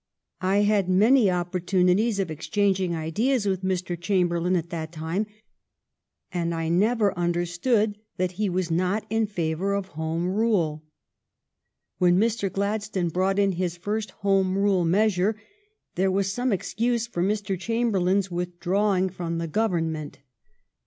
I had many opportunities of interchanging ideas with Mr. Chamberlain at that time, and I never understood that he was not in favor of Home Rule. When Mr. Gladstone brought in his first Home Rule measure there was some excuse for Mr. Chamberlain's withdrawing from the Govern ment.